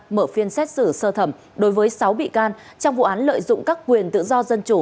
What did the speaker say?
mở phiên xét xử sơ thẩm đối với sáu bị can trong vụ án lợi dụng các quyền tự do dân chủ